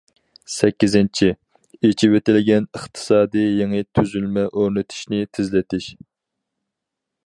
سەككىزىنچى، ئېچىۋېتىلگەن ئىقتىسادىي يېڭى تۈزۈلمە ئورنىتىشنى تېزلىتىش.